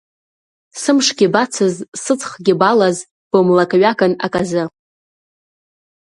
Сымшгьы бацыз, сыҵхгьы балаз, Бымлакҩакын аказы.